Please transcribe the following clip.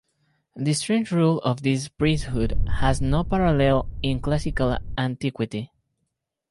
The strange rule of this priesthood has no parallel in classical antiquity.